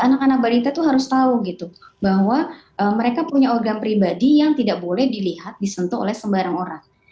anak anak balita itu harus tahu gitu bahwa mereka punya ogram pribadi yang tidak boleh dilihat disentuh oleh sembarang orang